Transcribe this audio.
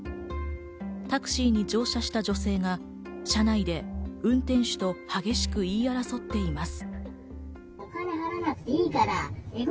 タクシーに乗車した女性が車内で運転手と激しく言い争っています。